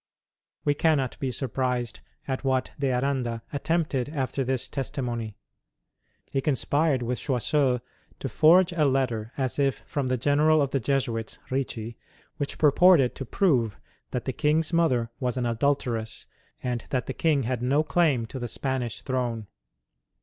We cannot be surprised at what De Aranda attempted after this testimony. He conspired with Choiseul to forge a letter as if from the General of the Jesuits, Ricci, which purported to prove that the King's mother was an adulteress, and that the King had no claim to the Spanish throne.